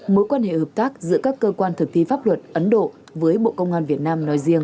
mối quan hệ hợp tác giữa các cơ quan thực thi pháp luật ấn độ với bộ công an việt nam nói riêng